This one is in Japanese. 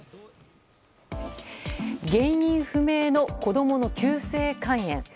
原因不明の子供の急性肝炎。